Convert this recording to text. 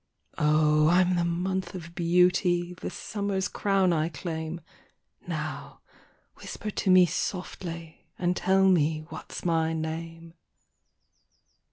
O ! I'm the month of beauty, The summer's crown I claim , Now whisper to me softly, And tell me what's my name.